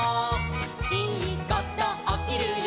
「いいことおきるよ